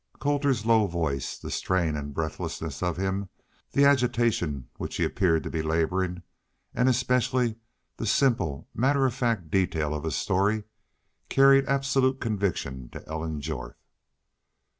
Colter's low voice, the strain and breathlessness of him, the agitation with which he appeared to be laboring, and especially the simple, matter of fact detail of his story, carried absolute conviction to Ellen Jorth.